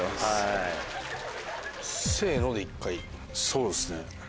そうですね。